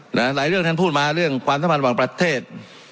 หลายเรื่องท่านพูดมาเรื่องความสะพานบางประเทศ